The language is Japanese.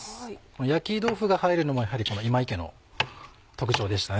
焼き豆腐が入るのもやはり今井家の特徴でしたね。